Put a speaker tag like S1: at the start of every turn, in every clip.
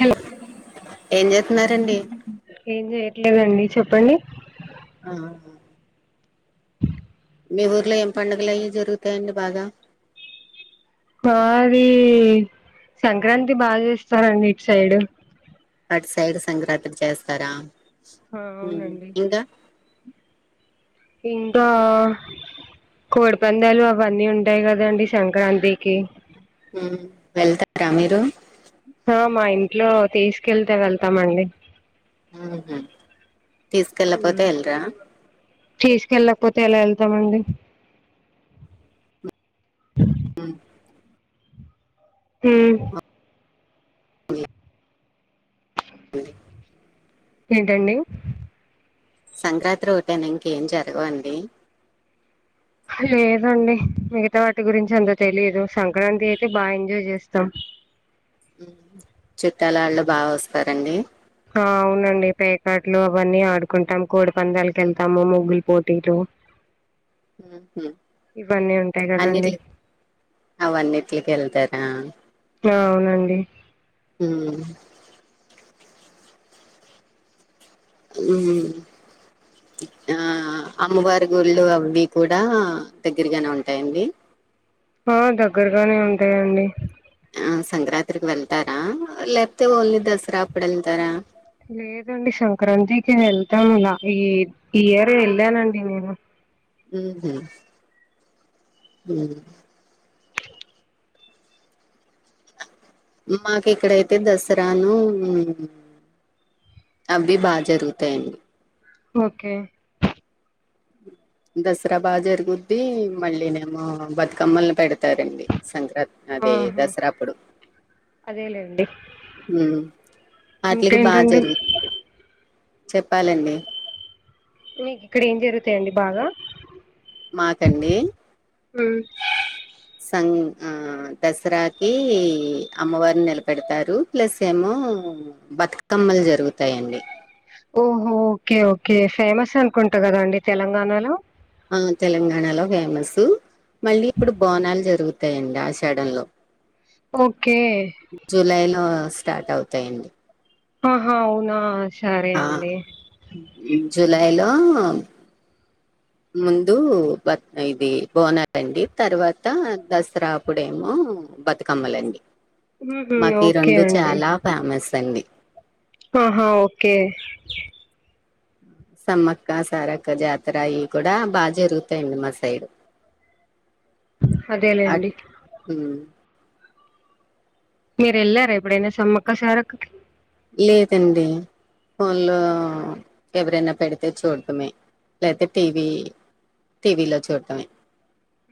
S1: Hello
S2: ఏం చేస్తున్నారండి
S1: ఏం చేయ ట్లేదండి చెప్పండి
S2: ఆహా మీ ఊర్లో ఏం పండుగలు అయీ జరుగుతాయండి బాగా
S1: మాది సంక్రాంతి బాగా చేస్తారండి ఇట్ సైడు
S2: అట్ సైడ్ సంక్రాంతి చేస్తారా
S1: ఆ
S2: మ్
S1: అవునండి
S2: ఇంకా
S1: ఇంకా కోడి పందాలు అవన్నీ ఉంటాయి కదండి సంక్రాంతికి
S2: మ్ వెళ్తారా మీరు
S1: ఆ మా ఇంట్లో తీసుకెళ్తే వెళ్తామండి
S2: మ్ హు తీసుకెళ్ళకపోతే వెళ్లరా
S1: తీసుకెళ్ళకపోతే ఎలా వెళ్తామండి
S2: మ్
S1: మ్
S2: ఉంది
S1: ఏంటండి
S2: సంక్రాంతి ఓటేనా ఇంకేం జరగవండి
S1: లేదండి మిగతా వాటి గురించి అంత తెలియదు సంక్రాంతి అయితే బాగా ఎంజాయ్ చేస్తాం
S2: మ్ చుట్టాల వాళ్ళు బాగా వస్తారండి
S1: ఆ అవునండి పేకాట్లు అవన్నీ ఆడుకుంటాం కోడి పందాలకేళ్తాము ముగ్గులు పోటీలు
S2: మ్ హు
S1: ఇవన్నీ ఉంటాయి కదండి
S2: అన్నింట్లు అవన్నింట్లకేళ్తారా
S1: అవునండి
S2: మ్ మ్ ఆ అమ్మవారు గుళ్ళు అవ్వి కూడా దగ్గరగానే ఉంటాయండి
S1: ఆ దగ్గరగానే ఉంటాయండి
S2: ఆ సంక్రాంతికి వెళ్తారా లేకపోతే ఓన్లీ దసరా అప్పుడు ఎళ్తారా
S1: లేదండి సంక్రాంతికి వెళ్తాము ఇగ ఈ ఈయర్ వెళ్ళానండి నేను
S2: మ్ హు మ్ మాకు ఇక్కడైతే దసరాను అవి బాగా జరుగుతాయండి
S1: ఓకే
S2: దసరా బాగా జరుగుద్ది మళ్ళీనేమో బతుకమ్మల్ని పెడుతారండి సంక్ర త్ అది
S1: ఆహా
S2: దసరా అప్పుడు
S1: అదేలేండి
S2: మ్ అట్లకి బాగ
S1: ఇంకేంటండి
S2: జరుగ్ చెప్పాలండి
S1: మీకు ఇక్కడ ఏం జరుగుతాయండి బాగా
S2: మాకండి
S1: ఉమ్,
S2: సంక్ ఆ దసరాకి అమ్మవారిని నిలబెడుతారు ప్లస్ ఏమో బతుకమ్మ జరుగుతాయండి.
S1: ఓహో ఓకే ఓకే ఫేమస్ అనుకుంటా కదా అండి తెలంగాణలో
S2: ఆ తెలంగాణలో ఫేమసు మళ్ళీ ఇప్పుడు బోనాలు జరుగు తై అండి ఆషాడంలో
S1: ఓకే
S2: జూలై లో స్టార్ట్ అవుతాయండి.
S1: అహ అవునా సరే
S2: అ
S1: అండి
S2: జులైలో ముందు బత్ ఇది బోనాత్ అండి తర్వాత దసరా అప్పుడేమో ఉ బతుకమ్మలండి
S1: ఉహు,
S2: మా ఈ
S1: ఓకే
S2: రెండు
S1: అండి
S2: చాలా ఫేమస్ అండి
S1: ఆహా ఓకే
S2: సమ్మక్క సారక్క జాతర అయి కూడా బా జరుగుతాయండి మా సైడ్ అట్
S1: అదేలేండి
S2: ఉమ్.
S1: మీరు ఎళ్లారా ఎప్పుడైనా సమ్మక్క సారక్కకి
S2: లేదండి ఫోన్లో ఎవరైనా పెడితే చూడటమే లేతే టీవీ టీవీలో చూటమే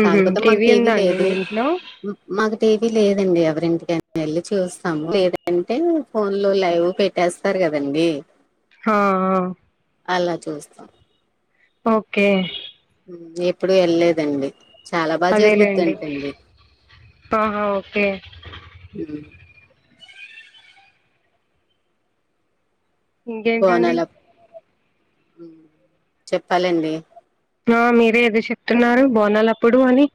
S1: ఊహు
S2: కాకపోతే మాకు టీవీ
S1: ఉందా అండి
S2: లేదు
S1: మీ ఇంట్లో
S2: మాకు టీవీ లేదండి ఎవరింటికనా వెళ్ళి చూస్తాము లేదంటే ఫోన్ లో లైవ్ పెట్టేస్తారు కదండి
S1: ఆ ఆ
S2: అలా చూస్తాం
S1: ఓకే
S2: ఎప్పుడు వెళ్లేదండి చాలా బాగా
S1: అదేలేండి
S2: జరుగుదంటండీ
S1: ఆహా ఓకే
S2: ఉ
S1: ఇంకేంటండి
S2: బోనాల చెప్పాలండి
S1: ఆ మీరే ఏదో చెప్తున్నారు బోనాల అప్పుడు అని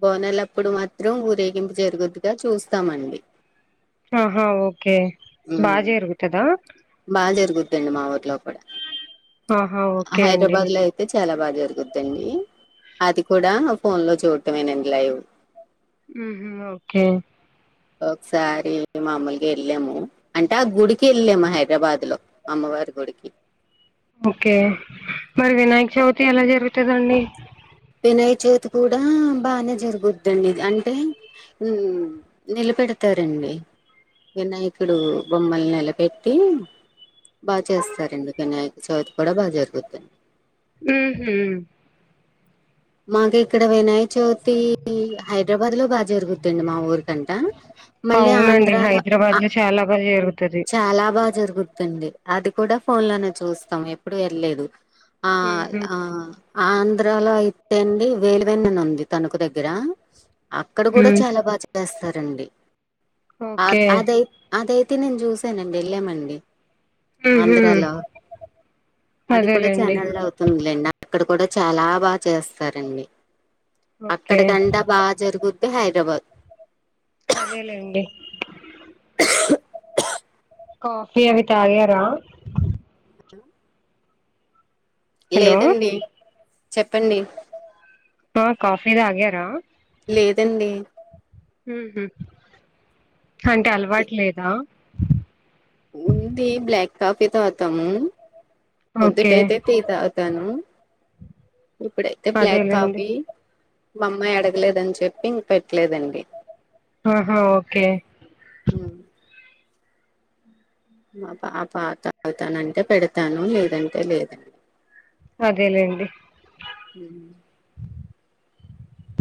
S2: బోనలప్పుడు మాత్రం ఊరేగింపు జరుగుద్దుగా చూస్తామండి
S1: ఆహా ఓకే బా
S2: ఉమ్,
S1: జరుగుతుదా
S2: బాగా జరుగుదండి మా ఊర్లో కూడా
S1: ఆహా ఓకే అండి
S2: హైదరాబాద్ లో అయితే చ చాలా బాగా జరుగుద్దండి అది కూడా ఫోన్ లో చూడటమేనండి లైవ్
S1: ఊ ఓకే
S2: ఒకసారి మామలుగా వెళ్ళాము అంటే ఆ గుడికి వెళ్ళాము హైదరాబాద్ లో అమ్మవారి అ గుడికి
S1: ఓకే మరి వినాయక చవితి ఎలా జరుగుతుందండి?
S2: వినాయ్ చవితి కూడా బానే జరుగుద్దండి ఇది అంటే నెలప్ పెడతారండి వినాయకుడు బొమ్మలు నిలబెట్టి బా చేస్తారండి వినాయక చవితి కూడా బాగా జరుగుదండి
S1: ఊహు
S2: మాకు ఇక్కడ వినాయ చవితి హైదరాబాద్ లో బాగా జరుగుదండి మా ఊర్ కంట మళ్ళీ
S1: అవునండి
S2: ఆంధ్రలో అ
S1: హైదరాబాద్ లో చాలా బాగా జరుగుతది
S2: చాలా బాగా జరుగుదండి అది కూడా ఫోన్ లోనే చూస్తాం ఎప్పుడు వెళ్లేదు ఆ
S1: ఊహు
S2: ఆ ఆంధ్రాలో అయితే అండి వేలువెన్ననుంది తణుకు దగ్గర అక్కడ
S1: ఊ
S2: కూడా చాలా బా చేస్తారండి అ
S1: ఓకే
S2: అదై అదై తే నేను చూసానండి లెమన్ వి
S1: ఊహు
S2: ఆంధ్రాలో అది కూడా
S1: అదేలేండి
S2: ఛానల్ అవుతుందిలేండి అక్కడ కూడా చాలా బాగా చేస్తారండి అక్కడి
S1: ఓకే
S2: కంట బాగా జరుగుద్ది హైదరాబాద్
S1: అదేలే అండి కాఫీ అవి తాగారా హలో
S2: లేదండి చెప్పండి
S1: ఆ కాఫీ తాగారా
S2: లేదండి
S1: అంటే
S2: ఇ
S1: అలవాటు లేదా
S2: ఉంది బ్లాక్ కాఫీ తాతాము ఒద్దు
S1: ఓకే
S2: టైతే టీ తాగుతాను ఇప్పుడైతే బ్లాక్
S1: అదేలేండి
S2: కాఫీ మా అమ్మాయి అడగలేదని చెప్పి ఇంక పెట్టలేదండి
S1: ఆహా ఓకే
S2: హ్మ్. మా పాప తాగుతానంటే పెడతాను లేదంటే లేదండి
S1: అదేలేండి
S2: హ్మ్.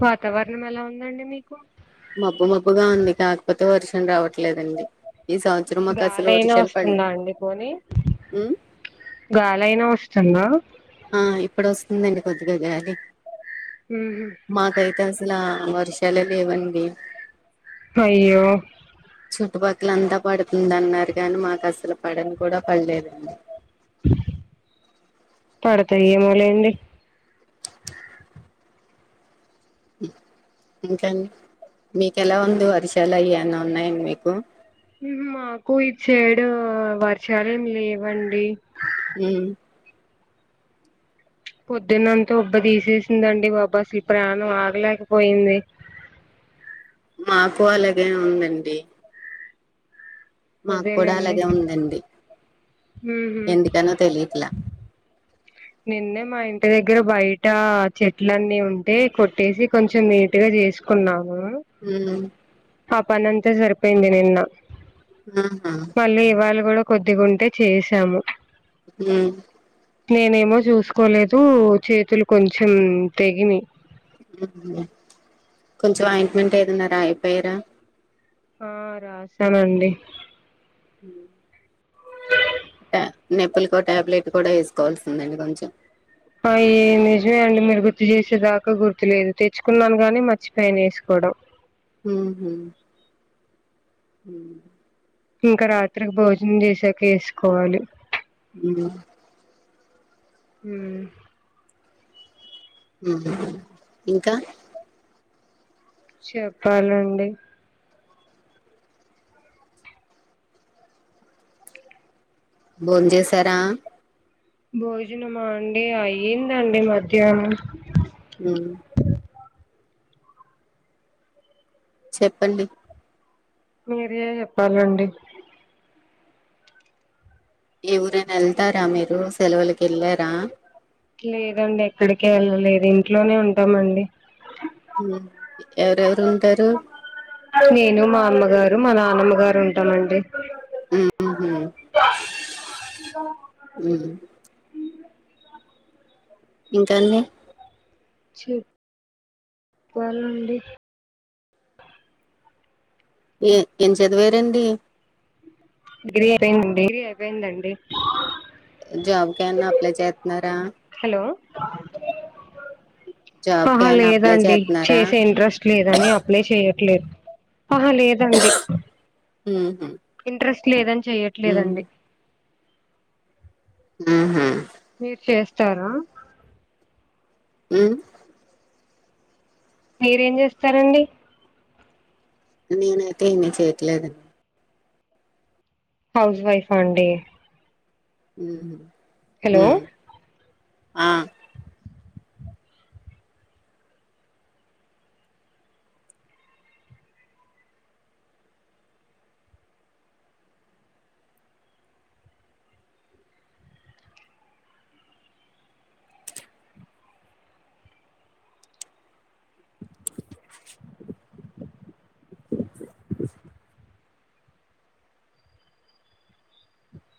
S1: వాతావరణం ఎలా ఉందండి మీక్
S2: మబ్బు మబ్బుగా ఉంది కాకపోతే వర్షం రావట్ చెలేదండి ఈ సంవత్సరం మాకు అసలు ఒక
S1: గాలైనా
S2: చెల్ప అండి
S1: వస్తుందా
S2: ఉ
S1: గాలయినా వస్తుందా
S2: ఆ ఇప్పుడు వస్తుందండి కొద్దిగా గాలి
S1: ఉహు
S2: మాకైతే అసల వర్షాలే లేవండి
S1: అయ్యో
S2: చుట్టుపక్కల అంతా పడుతుంద అన్నారు కానీ మాకు అసలు పడని కూడా పడలేదండి
S1: పడతాఏమో లేండి
S2: అ ఇంకాండి మీకెలా ఉంది వరిషాల అవి ఎవన ఉన్నాయండి మీకు
S1: మాకు ఈచ్చేడు వర్షాలు లేవండి
S2: ఉ
S1: పొద్దున్నంత ఉబ్బ తీసేసిందండి బాబా అసలు ప్రాణం ఆగలేకపోయింది
S2: మాకు అలాగే ఉందండి మాకు కూడా
S1: అదేలేండి
S2: అలాగే ఉందండి
S1: ఉహు
S2: ఎందుకనో తెలియట్లా
S1: నిన్నే మా ఇంటి దగ్గర బయట చెట్లన్నీ ఉంటే కొట్టేసి కొంచెం నీట్గా చేసుకున్నాం
S2: హ
S1: ఆ పని అంతా సరిపోయింది నిన్న
S2: ఆహా
S1: మళ్ళీ ఇవాళ కూడా కొద్దిగుంటే చేసాము
S2: హ
S1: నేనేమో చూసుకోలేదు చేతులు కొంచెం తెగినయ్
S2: కొంచెం ఆయింట్మెంట్ ఏదన్నారా రాయపోయారా
S1: ఆ రాశానండి
S2: హ
S1: స
S2: ట నొప్పులకో టాబ్లెట్ కూడా వేసుకోవాల్సిందండి కొంచెం
S1: అ ఏ నిజమే అండి మీరు గుర్తు చేసేదాకా గుర్తులేదు తెచ్చుకున్నాను గాని మర్చి పోయిన వేసుకోడం డ్
S2: ఉ హు ఉమ్
S1: ఇంకా రాత్రికి భోజనం చేసాక ఏసుకోవాలి
S2: ఉమ్
S1: హుమ్
S2: హు ఇంకా
S1: చెప్పాలండి
S2: భోం చేసారా
S1: భోజనమా అండి అయిందండి మధ్యానం
S2: ఉమ్ చెప్పండి
S1: మీరే చెప్పాలండి
S2: ఏ ఊరైనా ఎళ్తారా మీరు సెలవులకి ఎళ్ళారా
S1: లేదండి ఎక్కడికి ఎళ్ళలేదు ఇంట్లోనే ఉంటామండి
S2: ఉమ్ ఎవరెవరు ఉంటారు
S1: నేను మా అమ్మగారు మా నానమ్మ గారు ఉంటామండి.
S2: హు హు ఉమ్ హు ఇంకా అండి
S1: చె ప్పాలండి
S2: ఏ ఏం చదివారండి
S1: డిగ్రీ అయిపోయిందండి డిగ్రీ అయిపోయిందండి
S2: జాబ్ కు ఎమన్న అప్లై చేత్నూరా
S1: ఉమ్
S2: జాబ్ కి
S1: ఆహా
S2: ఏమన్నా అప్లై
S1: లేదండి
S2: చేస్తున్నారా
S1: చేసే ఇంట్రెస్ట్ లేదని అప్లై చేయ ట్లే ఆహ్ లేదండి
S2: మ్
S1: ఇంట్రెస్ట్ లేదని చెయ్యట్లేదండి
S2: ఉహు,
S1: మీరు చేస్తారా
S2: ఉమ్
S1: మీరేం చేస్తారండి
S2: నేనైతే ఏమి చేయట్లేదండి
S1: హౌస్ వైఫా అండి
S2: హుమ్ హు
S1: హలో
S2: హు ఆ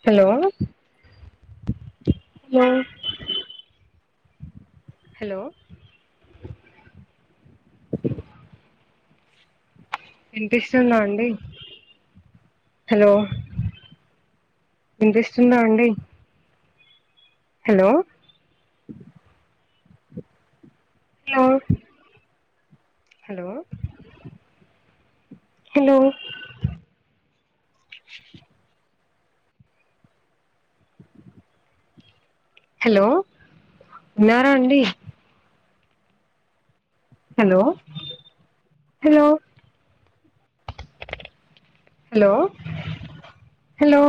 S1: హలో హలో హలో వినిపిస్తుందా అండి హలో ఇంట్రెస్ట్ ఉందా అండి hello hello hello hello hello వున్నారా అండి హలో హలో హలో హలో